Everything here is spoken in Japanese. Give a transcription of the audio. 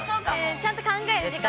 ちゃんと考える時間もある。